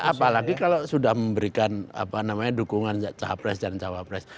apalagi kalau sudah memberikan apa namanya dukungan caha pres dan cawa pres